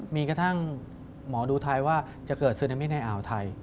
มีกระทั่งหมอดูไทยว่าจะเกิดซึนามิในอ่าวไทย